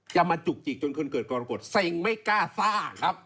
จะมาจุกจิกจนคนเกิดกรกฎเซ็งไม่กล้าสร้างครับ